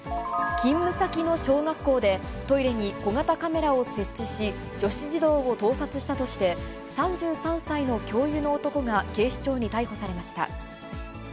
勤務先の小学校で、トイレに小型カメラを設置し、女子児童を盗撮したとして、３３歳の教諭の男が警視庁に逮捕されました。